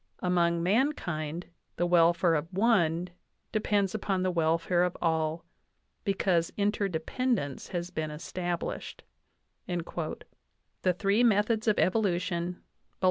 Among mankind the welfare of one depends upon the welfare of all, because interdependence has been established" (The three Methods of Evolution, Bull.